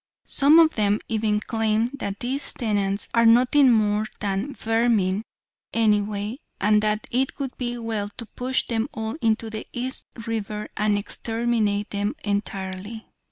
Some of them even claim that these tenants are nothing more than vermin, anyway, and that it would be well to push them all into the East River and exterminate them entirely."